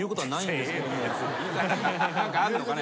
何かあるのかね？